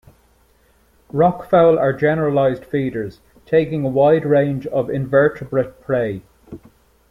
Rockfowl are generalised feeders, taking a wide range of invertebrate prey.